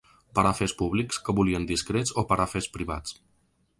Per a afers públics que volien discrets o per a afers privats.